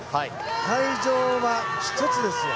会場は１つですよ。